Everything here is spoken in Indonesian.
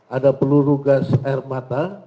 ada peluru gas air mata